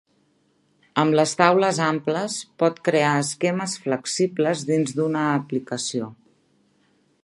Amb les taules amples, pot crear esquemes flexibles dins d'una aplicació.